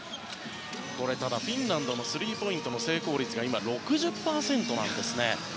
ただ、フィンランドのスリーポイントの成功率が６０％なんですね。